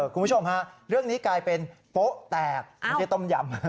คุณผู้ชมฮะเรื่องนี้กลายเป็นโป๊ะแตกไม่ใช่ต้มยำ